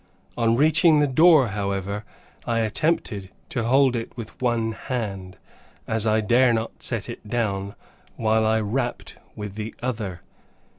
On reaching the door, however, I attempted to hold it with one hand (as I dare not set it down), while I rapped with the other.